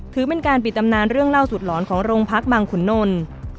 ถือเป็นการปิดตำนานเรื่องเล่าสุดหลอนของโรงพักบางขุนนล